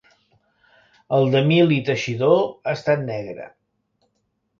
El d'Emili Teixidor ha estat negre.